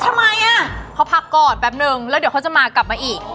เพราะพักก่อนแป๊บนึงแล้วเดี๋ยวเขาจะมากลับมาอีก